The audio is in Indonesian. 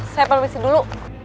saya polisi dulu